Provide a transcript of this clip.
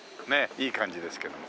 いい感じですけども。